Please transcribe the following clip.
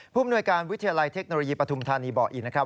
มนวยการวิทยาลัยเทคโนโลยีปฐุมธานีบอกอีกนะครับ